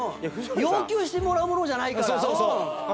要求してもらう物じゃないから。